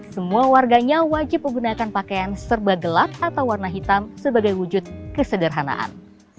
semua warganya wajib menggunakan pakaian serba gelap atau warna hitam sebagai wujud kesederhanaan